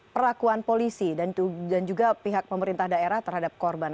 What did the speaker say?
perlakuan polisi dan juga pihak pemerintah daerah terhadap korban